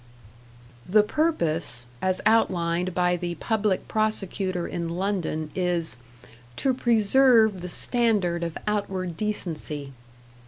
The purpose, as outlined by the public prosecutor in London, is "to preserve the standard of outward decency."